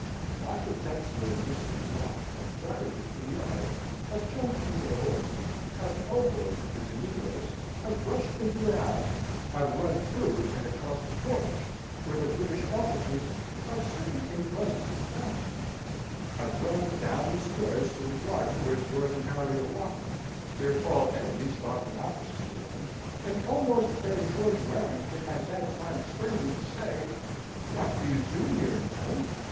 Dr. Dempster and Mrs. Mountain have clattered into the yard, have jumped from their horses, have elbowed through the negroes, have rushed into the house, have run through it and across the porch, where the British officers are sitting in muzzy astonishment; have run down the stairs to the garden where George and Harry are walking, their tall enemy stalking opposite to them; and almost ere George Warrington has had time sternly to say, "What do you do here, madam?"